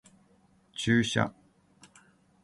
注射